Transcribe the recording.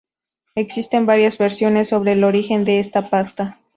Existen varias versiones sobre el origen de esta pasta.